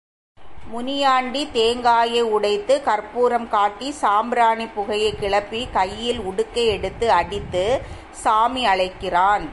முனியாண்டி தேங்காயை உடைத்துக் கற்பூரம் காட்டி சாம்பிராணிப் புகையைக் கிளப்பிக் கையில் உடுக்கை யெடுத்து அடித்து சாமி அழைக்கிறான்.